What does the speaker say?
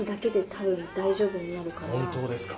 本当ですか。